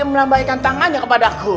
dia menambahkan tangannya kepadaku